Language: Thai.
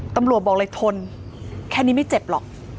ตำรวจบอกเลยทนแค่นี้ไม่เจ็บหรอก